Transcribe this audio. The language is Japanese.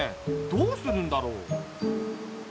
どうするんだろう？